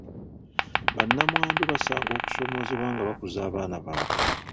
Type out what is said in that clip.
Bannamwandu basanga okusoomoozebwa nga bakuza abaana baabwe.